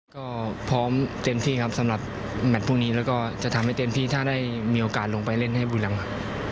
ก็พร้อมเต็มที่ครับสำหรับแมทพรุ่งนี้แล้วก็จะทำให้เต็มที่ถ้าได้มีโอกาสลงไปเล่นให้บุรีรำ